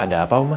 ada apa uma